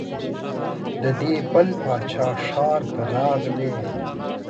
د دې بل باچا ښار ته راغلې.